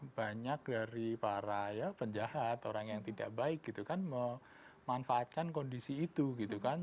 banyak dari para penjahat orang yang tidak baik gitu kan memanfaatkan kondisi itu gitu kan